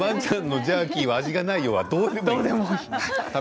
ワンちゃんのジャーキーの味、内容はどうでもいいの。